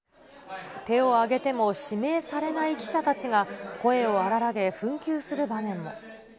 手を挙げても指名されない記者たちが、声を荒らげ紛糾する場面も。